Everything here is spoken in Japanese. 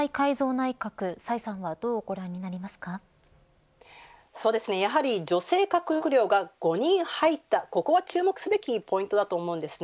内閣崔さんはやはり、女性閣僚が５人入ったここは注目すべきポイントだと思います。